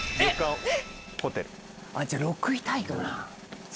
じゃあ６位タイかな？